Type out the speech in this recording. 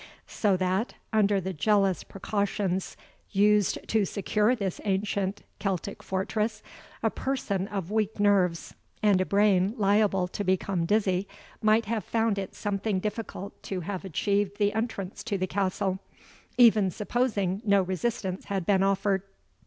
So that, under the jealous precautions used to secure this ancient Celtic fortress, a person of weak nerves, and a brain liable to become dizzy, might have found it something difficult to have achieved the entrance to the castle, even supposing no resistance had been offered.